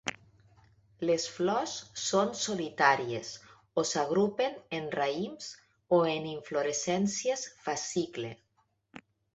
Les flors són solitàries o s'agrupen en raïms o en inflorescències fascicle.